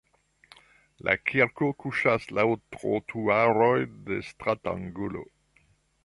La kirko kuŝas laŭ trotuaroj de stratangulo.